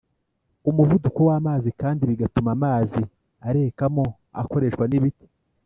umuvuduko w’amazi kandi bigatuma amazi arekamo akoreshwa n’ibiti